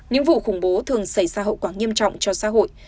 những vụ khủng bố thường xảy ra hậu quả nghiêm trọng cho xã hội